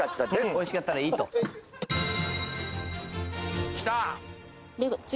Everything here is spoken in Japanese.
おいしかったらいいときた！